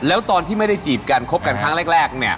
แล้วตอนที่ไม่ได้จีบกันคบกันครั้งแรกเนี่ย